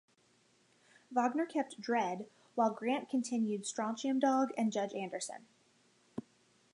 Wagner kept "Dredd", while Grant continued "Strontium Dog" and "Judge Anderson".